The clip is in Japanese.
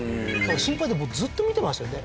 心配で僕ずっと見てましたね。